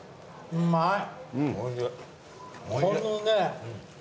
うまい！